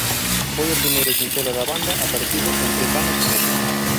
Foi o primeiro sinxelo da banda aparecido en tres anos e medio.